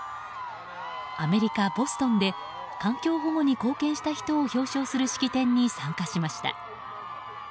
アメリカ・ボストンで環境保護に貢献した人を表彰する式典に参加しました。